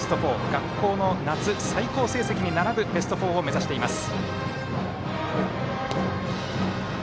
学校の夏、最高成績に並ぶベスト４を目指しています。